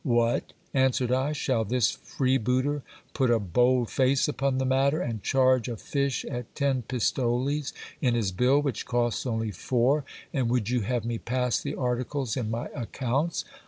What ! answered I, shall this freebooter put a bold face upon the matter, and charge a fish at ten pistoles in his bill, which costs only four, and would you have me pass the articles in my accounts